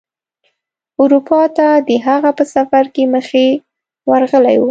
اروپا ته د هغه په سفر کې مخې ورغلی و.